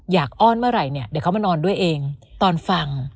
อ้อนเมื่อไหร่เนี่ยเดี๋ยวเขามานอนด้วยเองตอนฟัง